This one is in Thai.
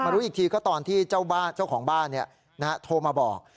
รู้อีกทีก็ตอนที่เจ้าของบ้านโทรมาบอก